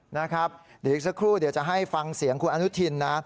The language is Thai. นะครับเดี๋ยวอีกสักครู่เดี๋ยวจะให้ฟังเสียงคุณอนุทินนะ